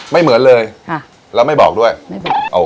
ไม่เหมือนเลยครับแล้วไม่บอกด้วยไม่บอก